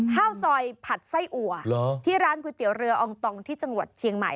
ข้าวซอยผัดไส้อัวที่ร้านก๋วยเตี๋ยวเรืออองตองที่จังหวัดเชียงใหม่